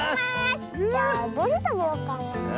じゃあどれたべようかな？